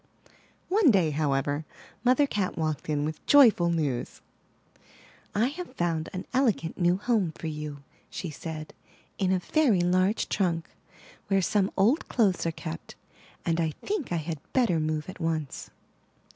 One day, however, Mother Cat walked in with joy ful news. I have found an elegant new home for you," she said, *'in a very large trunk where some old clothes are kept; and I think I had better move at once.''